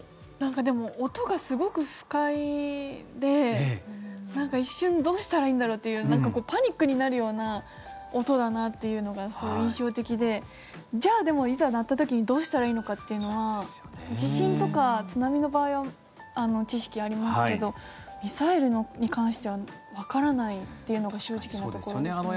でも、音がすごく不快で一瞬どうしたらいいんだろうってパニックになる音だなっていうのがすごく印象的でじゃあ、でも、いざ鳴った時にどうしたらいいのかっていうのは地震とか津波の場合は知識ありますけどミサイルに関してはわからないというのが正直なところですよね。